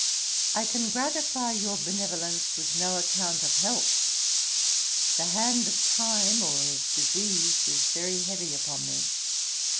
I can gratify your benevolence with no account of health. The hand of time, or of disease, is very heavy upon me.